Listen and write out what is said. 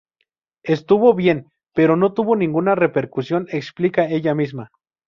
Estuvo bien, pero no tuvo ninguna repercusión", explica ella misma.